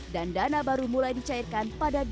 dan dana baru mulai dicairkan pada dua ribu delapan belas